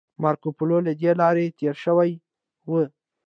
مارکوپولو له دې لارې تیر شوی و